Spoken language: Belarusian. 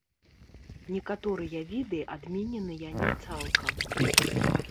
Некаторыя віды адмененыя не цалкам.